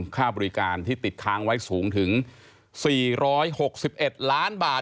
ค่าบริการที่ติดค้างไว้สูงถึง๔๖๑ล้านบาท